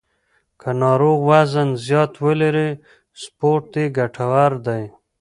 که ناروغ وزن زیات ولري، سپورت یې ګټور دی.